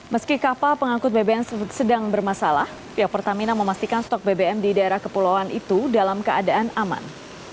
meski kapal pengangkut bbm sedang bermasalah pihak pertamina memastikan stok bbm di daerah kepulauan itu dalam keadaan aman